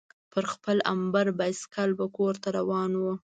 پر خپل امبر بایسکل به کورته روان وو.